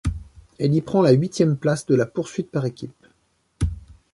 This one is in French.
Elle y prend la huitième place de la poursuite par équipes.